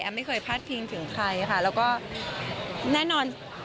แอฟไม่เคยพาดเพียงถึงใครแล้วก็แน่นอน